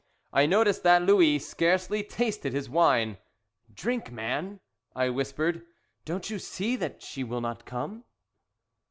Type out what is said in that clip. I noticed that Louis scarcely tasted his wine; "Drink, man!" I whispered: "don't you see that she will not come?"